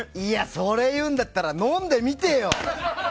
それ言うんだったら飲んでみてよ！